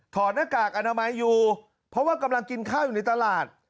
หน้ากากอนามัยอยู่เพราะว่ากำลังกินข้าวอยู่ในตลาด